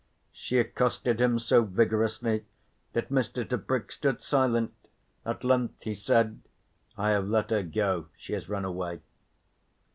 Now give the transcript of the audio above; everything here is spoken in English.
She accosted him so vigorously that Mr. Tebrick stood silent. At length he said: "I have let her go. She has run away."